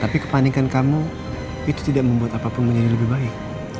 tapi kepanikan kamu itu tidak membuat apapun menjadi lebih baik